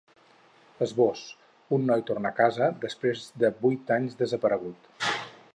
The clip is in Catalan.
Esbós: Un noi torna a casa, després de vuit anys desaparegut.